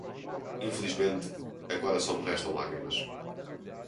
Infelizmente, agora só me restam lágrimas